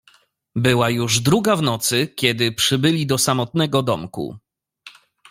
"Była już druga w nocy, kiedy przybyli do samotnego domku."